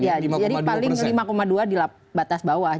ya jadi paling lima dua di batas bawah